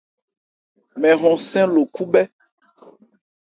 Mɛn hɔnsɛ́n lo khúbhɛ́.